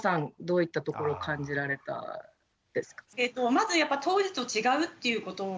まずやっぱ当時と違うっていうことがですね